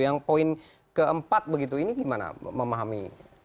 yang poin keempat begitu ini gimana memahami